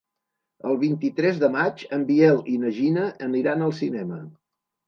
El vint-i-tres de maig en Biel i na Gina aniran al cinema.